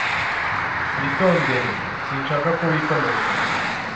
Witondere. Sinshaka ko wikomeretsa.